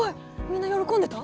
みんな喜んでた？